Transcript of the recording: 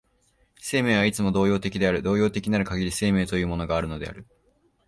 生命はいつも動揺的である、動揺的なるかぎり生命というものがあるのである。